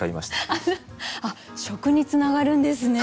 あっ食につながるんですね。